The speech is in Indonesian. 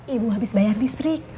ibu habis bayar listrik